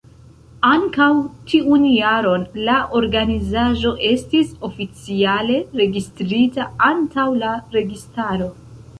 Ankaŭ tiun jaron la organizaĵo estis oficiale registrita antaŭ la registaro.